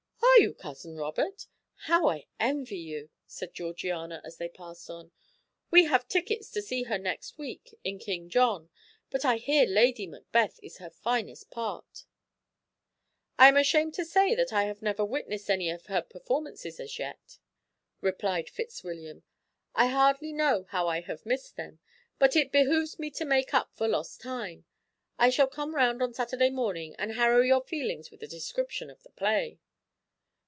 "Are you, Cousin Robert? How I envy you!" said Georgiana, as they passed on. "We have tickets to see her next week in King John; but I hear Lady Macbeth is her finest part." "I am ashamed to say that I have never witnessed any of her performances as yet," replied Fitzwilliam; "I hardly know how I have missed them, but it behooves me to make up for lost time. I shall come round on Saturday morning and harrow your feelings with a description of the play."